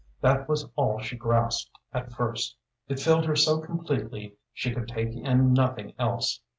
That was all she grasped at first; it filled her so completely she could take in nothing else.